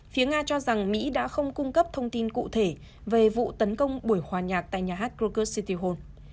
phía nga cho rằng mỹ đã không cung cấp thông tin cụ thể về vụ tấn công buổi hòa nhạc tại nhà hát krokus sitihol